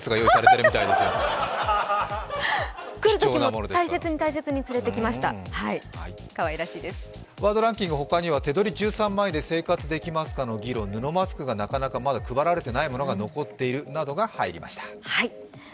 「ワードデイリーランキング」ほかには、手取り１３万円で生活できますか、布マスクがまだ配られていないものが残っているなどが入りました。